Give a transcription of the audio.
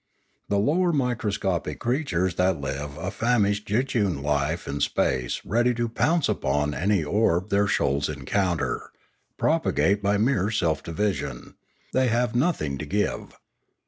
The lower microscopic creatures that live a famished jejune life in space ready to pounce upon any orb their shoals en counter, propagate by mere self division; they have nothing to give.